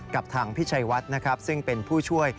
กับทางพี่ชัยวัดนะครับซึ่งเป็นผู้ช่วย